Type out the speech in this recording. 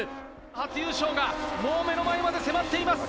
初優勝がもう目の前まで迫っています。